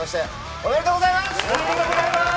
おめでとうございます！